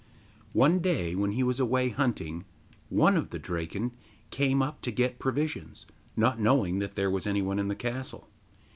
One day, when he was away hunting, one of the Draken came up to get provisions, not knowing that there was anyone in the castle.